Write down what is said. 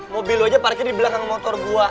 mobil lu aja parkir di belakang motor gua